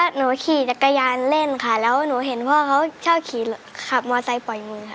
หนูขี่จักรยานเล่นค่ะแล้วหนูเห็นพ่อเขาชอบขี่ขับมอไซค์ปล่อยมือค่ะ